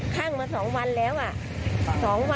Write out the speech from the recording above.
ขั้งมา๒วันแล้วอ่ะ๒วัน๒คืนแล้วอ่ะ